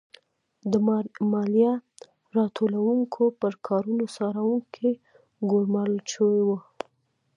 د مالیه راټولوونکو پر کارونو څارونکي ګورمال شوي وو.